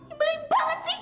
imbelin banget sih